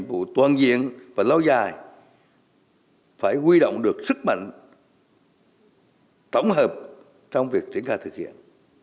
của toàn diện và lâu dài phải huy động được sức mạnh tổng hợp trong việc triển khai thực hiện